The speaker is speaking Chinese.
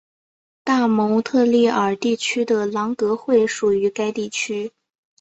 大蒙特利尔地区的朗格惠属于该地区。